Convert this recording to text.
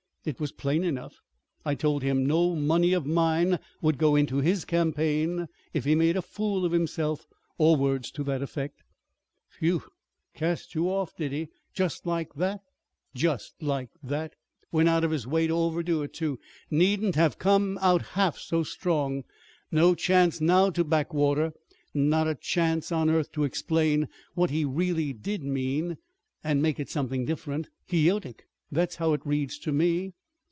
It was plain enough. I told him no money of mine would go into his campaign if he made a fool of himself or words to that effect." "Phew! Cast you off, did he? Just like that?" "Just like that! Went out of his way to overdo it, too. Needn't have come out half so strong. No chance now to backwater not a chance on earth to explain what he really did mean and make it something different." "Quixotic! That's how it reads to me."